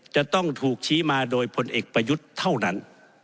จะต้องถูกชี้มาโดยพลเอกประยุทธ์เท่านั้น